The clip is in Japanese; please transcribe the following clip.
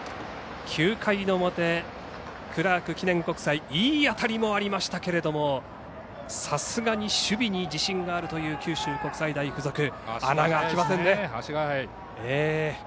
９回の表、クラーク記念国際いい当たりもありましたけれどもさすがに守備に自信があるという九州国際大付属穴が開きません。